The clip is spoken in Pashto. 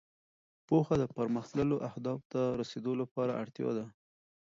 پوهه د پرمختللو اهدافو ته رسېدو لپاره اړتیا ده.